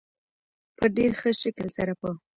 په ډېر ښه شکل سره په